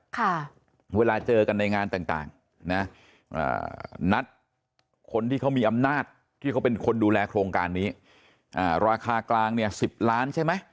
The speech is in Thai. ค่ะเวลาเจอกันในงานต่างต่างนะอ่านัดคนที่เขามีอำนาจที่เขาเป็นคนดูแลโครงการนี้อ่าราคากลางเนี่ยสิบล้านใช่ไหม